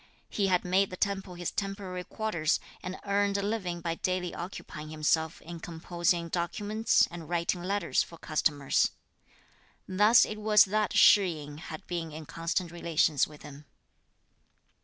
He had made the temple his temporary quarters, and earned a living by daily occupying himself in composing documents and writing letters for customers. Thus it was that Shih yin had been in constant relations with him.